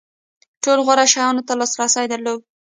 ټولو غوره شیانو ته لاسرسی درلود.